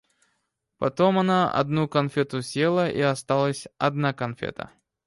Потом она одну конфету съела и осталась одна конфета.